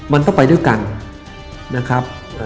มันต้องไปด้วยกันนะครับ